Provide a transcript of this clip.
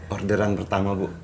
orderan pertama bu